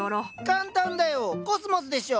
簡単だよコスモスでしょ。